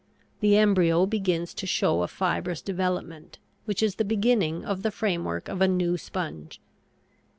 The embryo begins to show a fibrous development, which is the beginning of the framework of a new sponge.